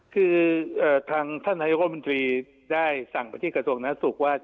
คือท่านท่านยกรบัญชีได้สั่งไปที่กระทรวงนาศุกร์ว่า